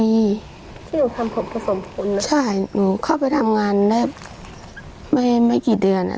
มีที่หนูทำผมกับสองคนนะใช่หนูเข้าไปทำงานได้ไม่ไม่กี่เดือนอ่ะ